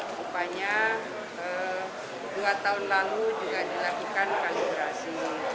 rupanya dua tahun lalu juga dilakukan kalibrasi